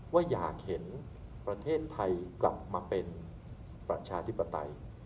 ว่าอยากเห็นประเทศไทยกลับมาเป็นประชาธิปไตย